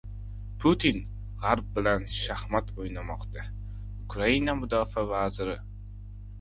“Putin G‘arb bilan shaxmat o‘ynamoqda” — Ukraina mudofaa vaziri